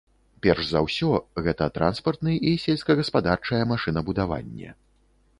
Перш за ўсё, гэта транспартны і сельскагаспадарчае машынабудаванне.